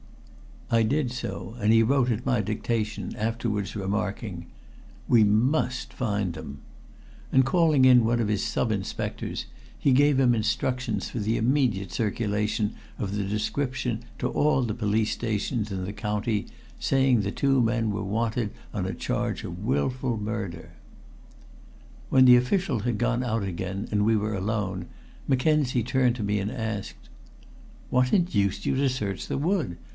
I did so, and he wrote at my dictation, afterwards remarking "We must find them." And calling in one of his sub inspectors, he gave him instructions for the immediate circulation of the description to all the police stations in the county, saying the two men were wanted on a charge of willful murder. When the official had gone out again and we were alone, Mackenzie turned to me and asked "What induced you to search the wood?